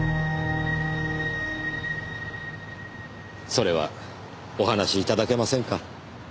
それはお話しいただけませんか。